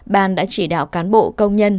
ban đã chỉ đạo cán bộ công nhân